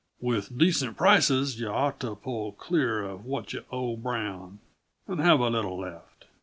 With decent prices yuh ought to pull clear uh what yuh owe Brown, and have a little left.